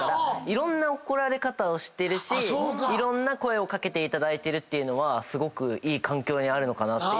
いろんな怒られ方をしてるしいろんな声を掛けていただいてるっていうのはすごくいい環境にあるのかなって。